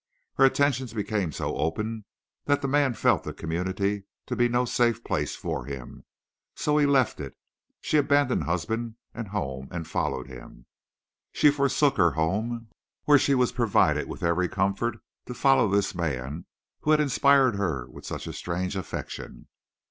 Her attentions became so open that the man felt the community to be no safe place for him, so he left it. She abandoned husband and home, and followed him. She forsook her home, where she was provided with every comfort, to follow this man who had inspired her with such a strange affection.